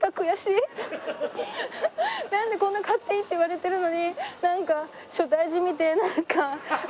なんでこんな買っていいって言われてるのになんか所帯じみてなんか。